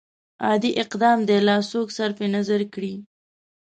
عادي اقدام دې لا څوک صرف نظر کړي.